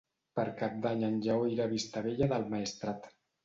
Per Cap d'Any en Lleó irà a Vistabella del Maestrat.